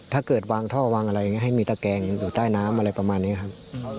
ถ้าเกิดวางท่อวางอะไรให้มีตะแกงอยู่ใต้น้ำอะไรประมาณนี้ครับ